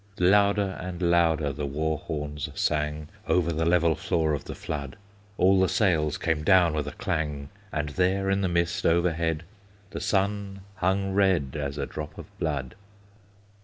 Louder and louder the war horns sang Over the level floor of the flood; All the sails came down with a clang, And there in the mist overhead The sun hung red As a drop of blood.